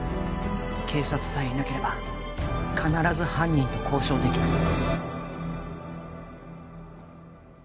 警察さえいなければ必ず犯人と交渉できます